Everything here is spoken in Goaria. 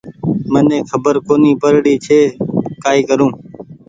مني کبر ڪونيٚ پڙ ري ڇي ڪآئي ڪرون